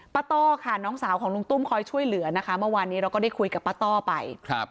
ต้อค่ะน้องสาวของลุงตุ้มคอยช่วยเหลือนะคะเมื่อวานนี้เราก็ได้คุยกับป้าต้อไป